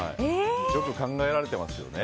よく考えられてますよね。